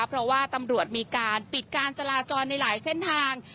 เพราะว่าตำรวจมีการปิดการจราจรในหลายเส้นทาง